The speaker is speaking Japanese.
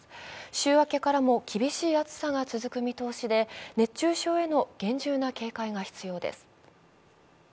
週明けからも厳しい暑さが続く見通しで熱中症への厳重な警戒が必要です。